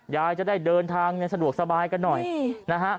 ยายจะได้เดินทางสะดวกสบายกันหน่อยนะฮะ